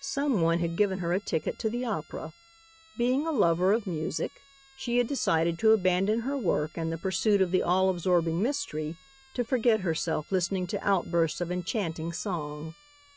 Someone had given her a ticket to the opera. Being a lover of music, she had decided to abandon her work and the pursuit of the all absorbing mystery, to forget herself listening to outbursts of enchanting song.